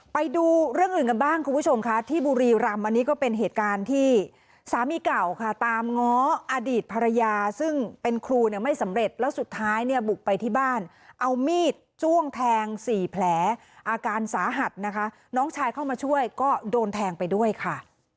ไปดูเรื่องอื่นกันบ้างคุณผู้ชมค่ะที่บุรีรำอันนี้ก็เป็นเหตุการณ์ที่สามีเก่าค่ะตามง้ออดีตภรรยาซึ่งเป็นครูเนี่ยไม่สำเร็จแล้วสุดท้ายเนี่ยบุกไปที่บ้านเอามีดจ้วงแทงสี่แผลอาการสาหัสนะคะน้องชายเข้ามาช่วยก็โดนแทงไปด้วยค่ะ